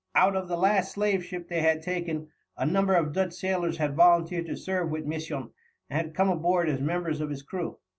Out of the last slave ship they had taken, a number of Dutch sailors had volunteered to serve with Misson and had come aboard as members of his crew.